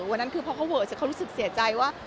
วันนั้นคือเพราะเขาเว๋อเขารู้สึกเสียใจว่า